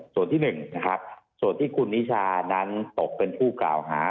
ส่วนที่๑นะครับส่วนที่คุณนิชานั้นตกเป็นผู้กล่าวหา